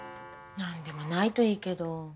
なんでもないといいけど。